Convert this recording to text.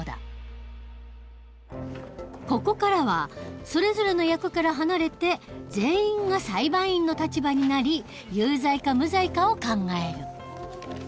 ここからはそれぞれの役から離れて全員が裁判員の立場になり有罪か無罪かを考える。